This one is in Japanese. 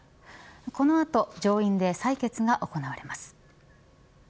この後上院で採決が行われます。